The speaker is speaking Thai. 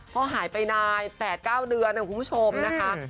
พอหายไปนาย๘๙เดือนของคุณผู้ชมนะคะ